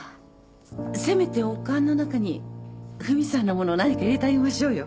せめておかんの中にフミさんの物何か入れてあげましょうよ。